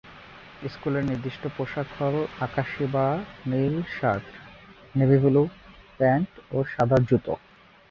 স্কুলের নির্দিষ্ট পোশাক হল আকাশী বা নীল শার্ট, নেভি ব্লু প্যান্ট ও সাদা জুতো।